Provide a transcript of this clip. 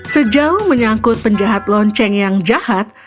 sejauh menyangkut penjahat lonceng yang jahat